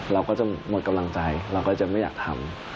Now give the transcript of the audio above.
เราก็จะหมดกำลังใจเราก็จะไม่อยากทำ